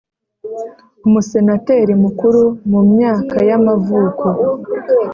Umusenateri mukuru mu myaka y amavuko